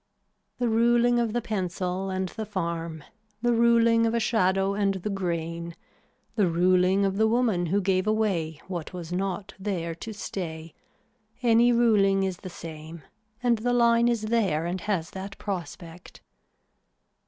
The ruling of the pencil and the farm, the ruling of a shadow and the grain, the ruling of the woman who gave away what was not there to stay, any ruling is the same and the line is there and has that prospect.